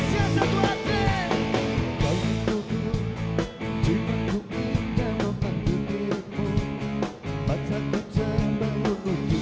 yang selalu tersaji bisa ku silati